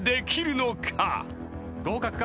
合格か？